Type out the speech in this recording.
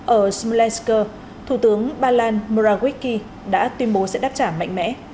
ở smolensk thủ tướng ba lan murawicki đã tuyên bố sẽ đáp trả mạnh mẽ